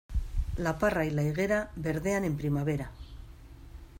La parra y la higuera, verdean en primavera.